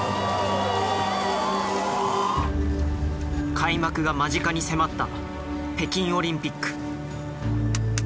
開幕が間近に迫った北京オリンピック。